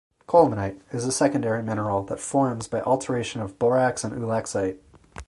Colemanite is a secondary mineral that forms by alteration of borax and ulexite.